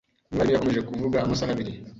Umwarimu yakomeje kuvuga amasaha abiri.